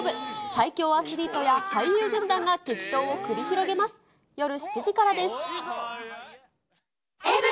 最強アスリートや俳優軍団が激闘を繰り広げます。